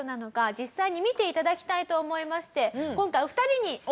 実際に見て頂きたいと思いまして。